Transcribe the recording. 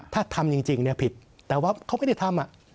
ถ้าทำจริงเนี่ยผิดแต่ว่าเขาไม่ได้ทำ